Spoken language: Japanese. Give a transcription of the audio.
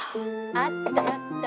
あった！